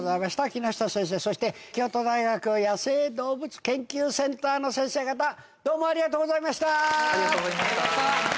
木下先生、そして京都大学野生動物研究センターの先生方、どうもありがとうありがとうございました。